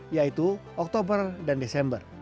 yaitu oktober dan desember